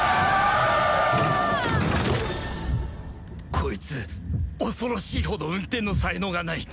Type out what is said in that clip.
こいつ恐ろしいほど運転の才能がない